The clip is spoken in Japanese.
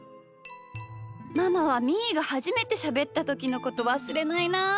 ママはみーがはじめてしゃべったときのことわすれないなあ。